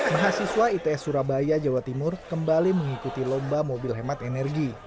mahasiswa its surabaya jawa timur kembali mengikuti lomba mobil hemat energi